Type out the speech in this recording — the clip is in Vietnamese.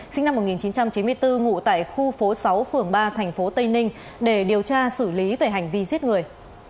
sinh năm một nghìn chín trăm chín mươi bốn ngụ tại khu phố sáu phường ba tp tây ninh để điều tra xử lý về hành vi giết người